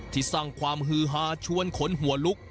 ที่สร้างความฮือฮาชวนขนหัวลุก